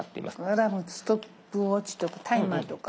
アラームストップウォッチとタイマーとか。